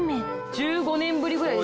１５年ぶりぐらいですか。